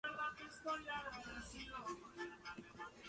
Durante dos días se debatió la cuestión, en la que no hubo acuerdo.